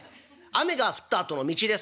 雨が降ったあとの道ですか？」。